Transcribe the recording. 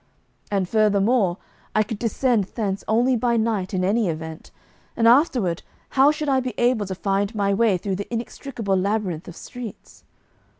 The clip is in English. And, furthermore, I could descend thence only by night in any event, and afterward how should I be able to find my way through the inextricable labyrinth of streets?